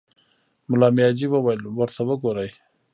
ملا مياجي وويل: ورته وګورئ!